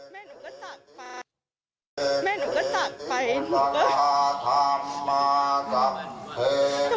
แม่หนูก็จากไปแม่หนูก็จากไปหนูก็